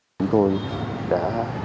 chúng tôi đã